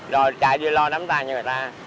rồi chạy đi lo đám tài như người ta